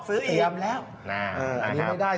เตรียมแล้วอันนี้ไม่ได้